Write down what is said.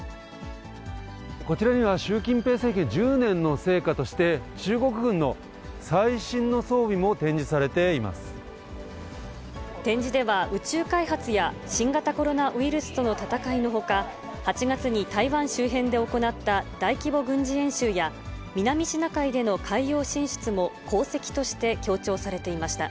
こちらには習近平政権１０年の成果として、中国軍の最新の装展示では、宇宙開発や新型コロナウイルスとの闘いのほか、８月に台湾周辺で行った大規模軍事演習や、南シナ海での海洋進出も功績として強調されていました。